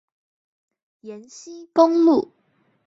延溪公路